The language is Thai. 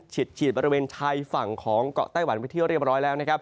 ฉีดฉีดบริเวณชายฝั่งของเกาะไต้หวันไปเที่ยวเรียบร้อยแล้วนะครับ